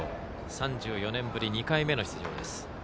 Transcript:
３４年ぶり２回目の出場です。